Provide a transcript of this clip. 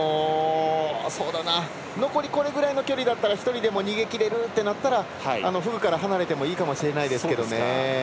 残りこれぐらいの距離だったら１人でも逃げきれるってなったらフグから離れてもいいかもしれないですけどね。